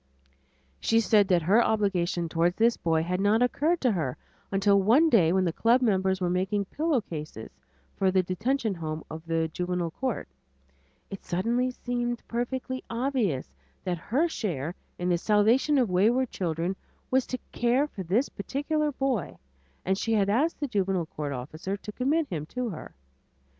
She said that her obligation toward this boy had not occurred to her until one day when the club members were making pillowcases for the Detention Home of the Juvenile Court, it suddenly seemed perfectly obvious that her share in the salvation of wayward children was to care for this particular boy and she had asked the Juvenile Court officer to commit him to her.